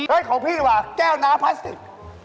เฮ้ยของพี่นี่แหวะแก้วน้ำพลาสติก